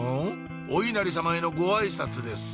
お稲荷様へのご挨拶です